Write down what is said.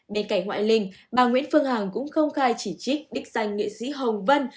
bên cạnh hoài linh bà nguyễn phương hằng cũng không khai chỉ trích đích danh nghị sĩ hồng vân